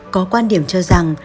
có quan điểm cho rằng